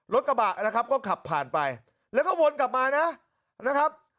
รถกระบะนะครับก็ขับผ่านไปแล้วก็วนกลับมานะนะครับ